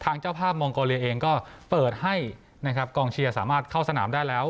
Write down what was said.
ทางเจ้าพลาปมองโกเรียเองก็เปิดให้กองเซียสามารถเข้าสนามได้แล้ว